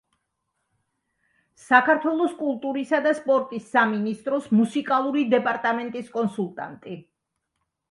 საქართველოს კულტურისა და სპორტის სამინისტროს მუსიკალური დეპარტამენტის კონსულტანტი.